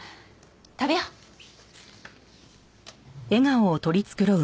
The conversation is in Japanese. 食べよう。